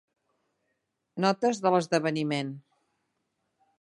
Notes de l'esdeveniment.